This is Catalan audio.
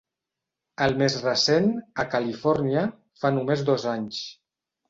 El més recent, a Califòrnia, fa només dos anys.